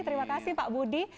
terima kasih pak budi